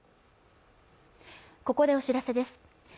ここでお知らせです